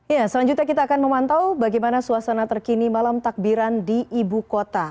ya selanjutnya kita akan memantau bagaimana suasana terkini malam takbiran di ibu kota